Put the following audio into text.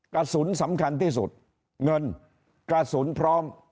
กระสุนสำคัญที่สุดเงินกระสุนพร้อม